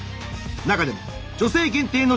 中でも女性限定の超高級